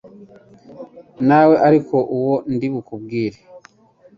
nawe ariko uwo ndi bukubwire